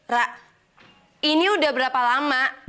rak ini udah berapa lama